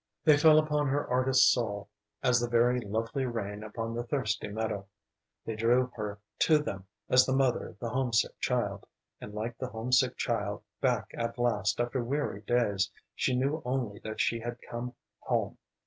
They fell upon her artist's soul as the very lovely rain upon the thirsty meadow. They drew her to them as the mother the homesick child, and like the homesick child, back at last after weary days, she knew only that she had come home.